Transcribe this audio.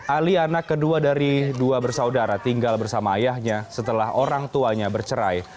ali anak kedua dari dua bersaudara tinggal bersama ayahnya setelah orang tuanya bercerai